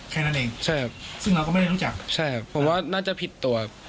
แค่นั้นเองใช่ครับซึ่งเราก็ไม่ได้รู้จักใช่ครับผมว่าน่าจะผิดตัว